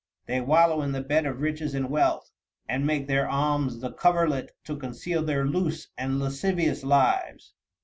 They wallow in the bed of riches and wealth, and make their alms the coverlet to conceal their loose and lascivious lives....